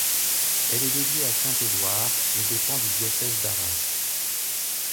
Elle est dédiée à saint Édouard et dépend du diocèse d'Arras.